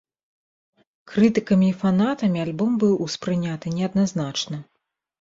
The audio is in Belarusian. Крытыкамі і фанатамі альбом быў успрыняты неадназначна.